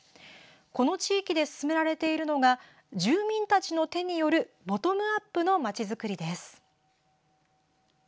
この地域で進められているのが住民たちの手によるボトムアップのまちづくりです。